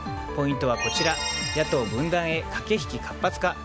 ポイントは野党分断へ駆け引き活発化。